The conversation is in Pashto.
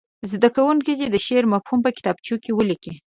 زده کوونکي دې د شعر مفهوم په کتابچو کې ولیکي.